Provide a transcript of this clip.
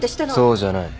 そうじゃない。